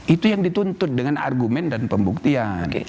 itu yang dituntut dengan argumen dan pembuktian